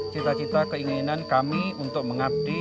cita cita keinginan kami untuk mengabdi